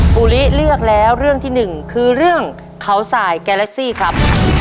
ปูลิเลือกแล้วเรื่องที่หนึ่งคือเรื่องเขาสายแกเล็กซี่ครับ